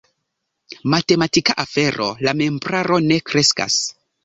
Matematika afero: la membraro ne kreskas.